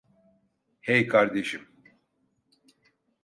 Hey, kardeşim.